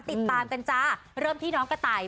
ติดตามกันจ้าเริ่มที่น้องกระต่าย